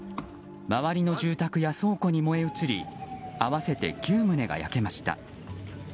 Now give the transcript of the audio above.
周りの住宅や倉庫に燃え移り合わせて９棟が焼けました。